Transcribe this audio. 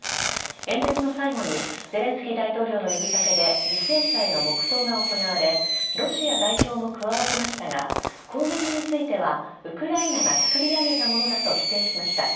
演説の最後にゼレンスキー大統領の呼び掛けで犠牲者への黙とうが行われロシア代表も加わりましたが攻撃についてはウクライナが作り上げたものだと否定しました。